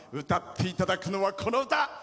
歌っていただくのは、この歌！